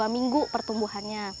dua minggu pertumbuhannya